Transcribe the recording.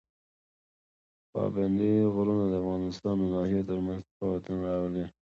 پابندي غرونه د افغانستان د ناحیو ترمنځ تفاوتونه راولي.